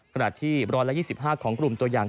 ขณะที่บรรลัส๒๕ของกลุ่มตัวยาง